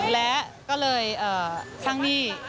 และก็เลยข้างนี่